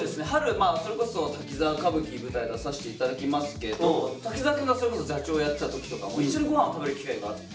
まあそれこそ「滝沢歌舞伎」舞台出させて頂きますけど滝沢くんがそれこそ座長やってた時とかも一緒に御飯を食べる機会があって。